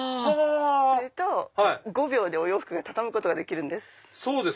すると５秒でお洋服畳むことができるんです。